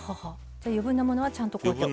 余分なものはちゃんと落として。